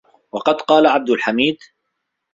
وَقَدْ قَالَ عَبْدُ الْحَمِيدِ